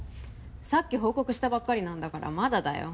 さっき報告したばっかりなんだからまだだよ